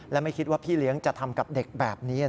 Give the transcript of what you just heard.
และไม่คิดว่าพี่เลี้ยงจะทำกับเด็กแบบนี้